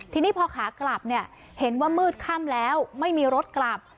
ทีนี้พอขากลับเนี่ยเห็นว่ามืดค่ำแล้วไม่มีรถกลับ